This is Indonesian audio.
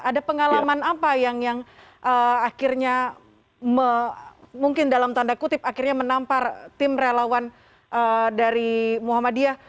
ada pengalaman apa yang akhirnya mungkin dalam tanda kutip akhirnya menampar tim relawan dari muhammadiyah